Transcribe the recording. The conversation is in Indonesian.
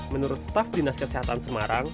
menurut staf dinas kesehatan semarang